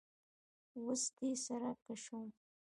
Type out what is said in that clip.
وس دي سره کشوم